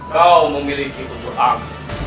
kau memiliki kejurutang